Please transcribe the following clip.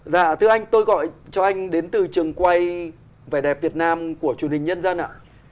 dạ thưa anh tôi gọi cho anh đến từ trường quay vẻ đẹp việt nam của truyền hình nhân dân ạ